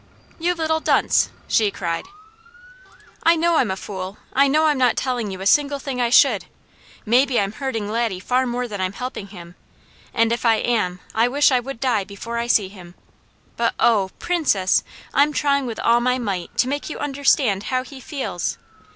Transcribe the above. "You little dunce!" she cried. "I know I'm a fool. I know I'm not telling you a single thing I should! Maybe I'm hurting Laddie far more than I'm helping him, and if I am, I wish I would die before I see him; but oh! Princess, I'm trying with all my might to make you understand how he feels.